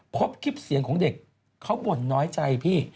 พบคลิปเสียงของเด็กเขาบ่นน้อยใจพี่